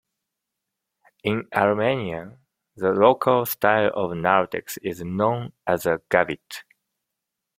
In Armenia the local style of narthex is known as a "gavit".